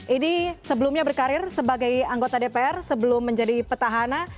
ini sebelumnya berkarir sebagai anggota dpr sebelum menjadi petahana